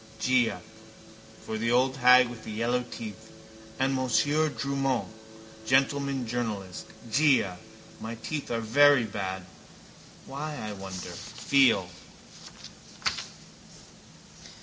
For the old hag with the yellow teeth. And Monsieur Drumont, gentleman journalist. Già. My teeth are very bad. Why, I wonder. Feel.